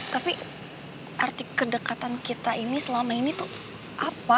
tapi arti kedekatan kita ini selama ini tuh apa